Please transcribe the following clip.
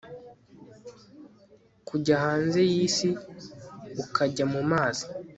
Kujya hanze yisi ukajya mumazi